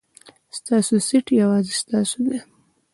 ستاسو سېټ یوازې ستاسو دی.